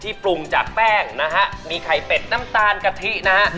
ปรุงจากแป้งนะฮะมีไข่เป็ดน้ำตาลกะทินะฮะ